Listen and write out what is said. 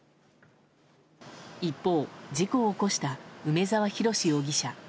一方、事故を起こした梅沢洋容疑者。